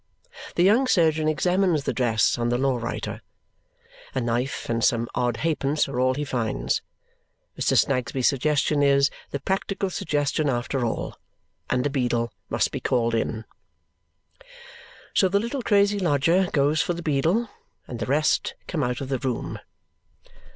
The young surgeon examines the dress on the law writer. A knife and some odd halfpence are all he finds. Mr. Snagsby's suggestion is the practical suggestion after all, and the beadle must be called in. So the little crazy lodger goes for the beadle, and the rest come out of the room.